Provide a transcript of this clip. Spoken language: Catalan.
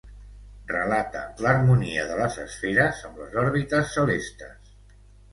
Relata l'harmonia de les esferes amb les òrbites celestes.